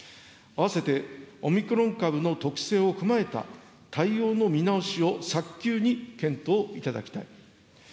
併せてオミクロン株の特性を踏まえた対応の見直しを早急に検討いただきたい。